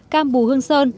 cam bù hương sơn